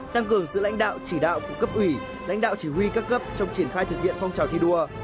tăng cường sự lãnh đạo chỉ đạo của cấp ủy lãnh đạo chỉ huy các cấp trong triển khai thực hiện phong trào thi đua